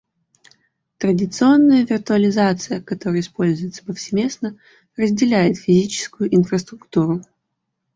Традиционная виртуализация, которая используется повсеместно, разделяет физическую инфраструктуру